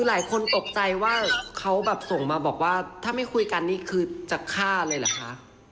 หลายคนตกใจว่าเขาแบบส่งมาบอกว่าถ้าไม่คุยกันนี่คือจะฆ่าเลยเหรอคะ